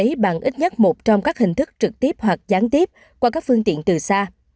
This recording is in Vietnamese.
thay bằng ít nhất một trong các hình thức trực tiếp hoặc gián tiếp qua các phương tiện từ xa